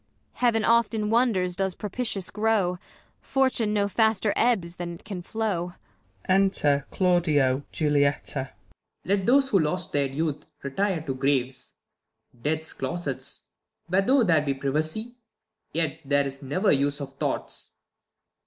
Heav'n oft in wonders does propitious grow, Fortune no faster ebbs than it can flow. Enter Claudio, Julietta. Claud. Let those who lost their youth retire to graves. Death's closets, where, though there be privacy, Yet there is never use of thoughts.